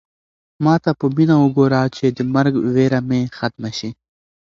ما ته په مینه وګوره چې د مرګ وېره مې ختمه شي.